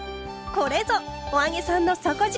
これぞ「“お揚げさん”の底力！」。